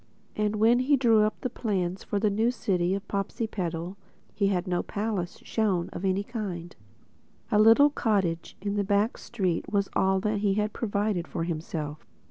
And when he drew up the plans for the City of New Popsipetel he had no palace shown of any kind. A little cottage in a back street was all that he had provided for himself.